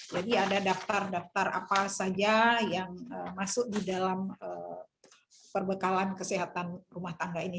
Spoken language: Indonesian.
jadi ada daftar daftar apa saja yang masuk di dalam perbekalan kesehatan rumah tangga ini